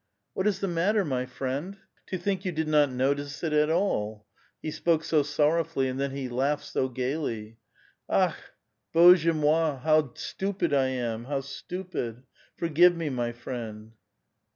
" What is the matter, my friend?" *' To think you did not notice it at all !" He spoke so sorrowfully, and then he laughed so gayl}'. " .4A:/i, bozJie mat! how stupid I am, how stupid! Forgive me, my friend."